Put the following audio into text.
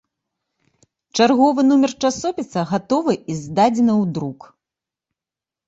Чарговы нумар часопіса гатовы і здадзены ў друк.